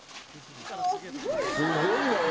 すごいね。